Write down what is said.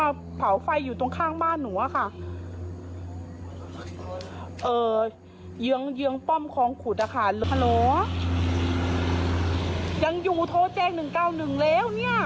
เจ๊กไปทางผนนนก่อกองไฟอยู่ตรงนี้นี่